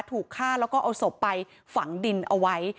ถูกฆ่าแล้วก็เอาศพไปฝังดินเอาไว้